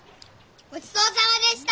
ごちそうさまでした。